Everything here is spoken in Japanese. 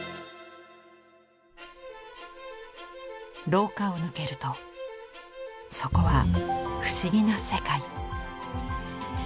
廊下を抜けるとそこは不思議な世界。